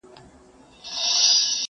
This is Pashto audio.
هسي نه چي دا یو ته په زړه خوږمن یې!.